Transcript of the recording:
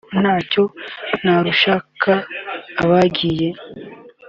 “Ko ntacyo narushaka abagiye